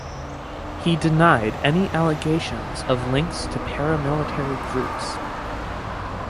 He denied any allegations of links to paramilitary groups.